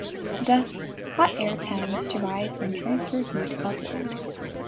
Thus, hot air tends to rise and transfer heat upward.